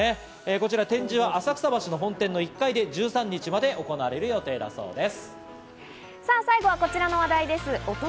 こちら展示は浅草橋の本店の１階で１３日まで行われる予定だそうです。